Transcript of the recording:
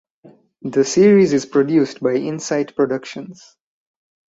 The series is produced by Insight Productions.